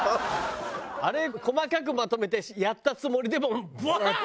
あれ細かくまとめてやったつもりでもブワーン！